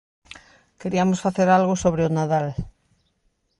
Queriamos facer algo sobre o Nadal.